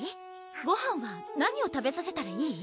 ごはんは何を食べさせたらいい？